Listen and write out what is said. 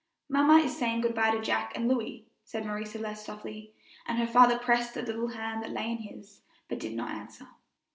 "Mamma is saying good by to Jack and Louis," said Marie Celeste softly, and her father pressed the little hand that lay in his, but did not answer.